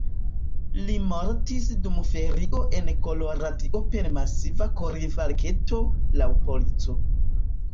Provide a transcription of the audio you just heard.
Li mortis dum ferio en Koloradio per masiva korinfarkto, laŭ polico.